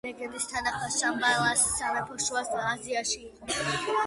სხვა ლეგენდის თანახმად, შამბალას სამეფო შუა აზიაში იყო.